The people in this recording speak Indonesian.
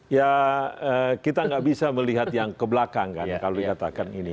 ya kita enggak bisa melihat yang kebelakang kan kalau dikatakan ini